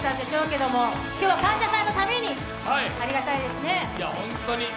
今日は「感謝祭」のためにありがたいですね。